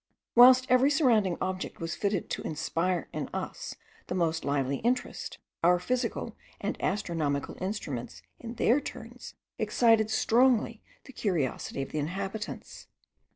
Whilst every surrounding object was fitted to inspire in us the most lively interest, our physical and astronomical instruments in their turns excited strongly the curiosity of the inhabitants.